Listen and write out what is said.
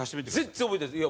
全然覚えてないです。